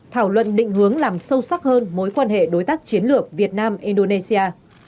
thảo luận định hướng làm sâu sắc hơn mối quan hệ đối tác chiến lược việt nam indonesia